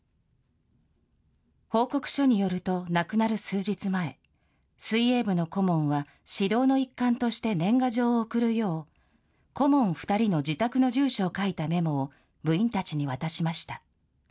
報告書によると、亡くなる数日前、水泳部の顧問は指導の一環として年賀状を送るよう、顧問２人の自宅の住所を書いたメモを部員たちに渡しました。